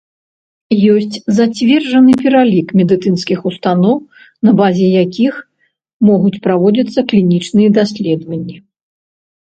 Ёсць зацверджаны пералік медыцынскіх устаноў, на базе якіх могуць праводзіцца клінічныя даследаванні.